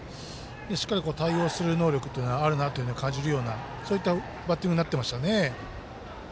しっかり対応する能力があるなというのを感じさせるバッティングになってましたね。